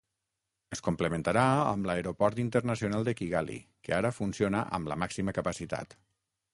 Es complementarà amb l'Aeroport Internacional de Kigali, que ara funciona amb la màxima capacitat.